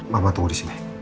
mama tunggu di sini